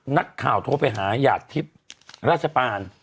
นักข่าวโทรไปหลายาดทริปราชปาล